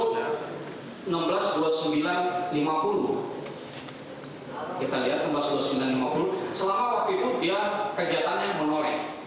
pada pukul enam belas dua puluh sembilan lima puluh kita lihat selama waktu itu dia kejatan yang menoreh